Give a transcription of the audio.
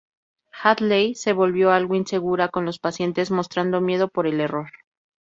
Hadley se volvió algo insegura con los pacientes, mostrando miedo por el error.